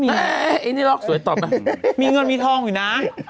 มีเงินก็มีทองอยู่นะ